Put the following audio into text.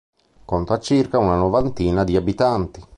Conta circa una novantina di abitanti.